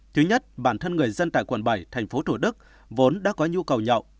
thứ nhất bản thân người dân tại quận bảy thành phố thủ đức vốn đã có nhu cầu nhậu